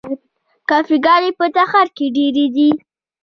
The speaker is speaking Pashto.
کافې ګانې په تهران کې ډیرې دي.